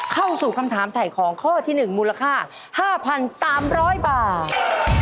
เข้าสู่คำถามถ่ายของข้อที่๑มูลค่า๕๓๐๐บาท